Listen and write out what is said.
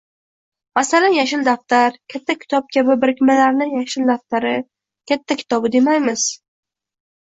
Masalan, yashil daftar, katta kitob kabi birikmalarni yashil daftari, katta kitobi demaymiz